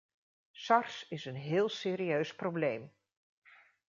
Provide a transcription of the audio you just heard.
Sars is een heel serieus probleem.